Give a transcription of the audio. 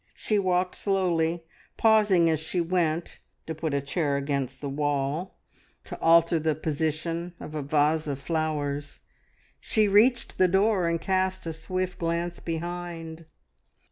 She walked slowly, pausing as she went to put a chair against the wall, to alter the position of a vase of flowers. She reached the door and cast a swift glance behind.